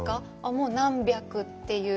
もう何百という。